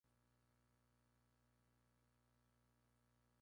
Se considera una mujer muy clara, emprendedora y con un temperamento fuerte.